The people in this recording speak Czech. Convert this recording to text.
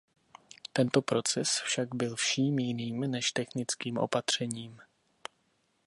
Tento proces však byl vším jiným než technickým opatřením.